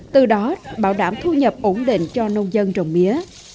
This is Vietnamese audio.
từ đó bảo đảm thu nhập ổn định cho nông dân trồng mía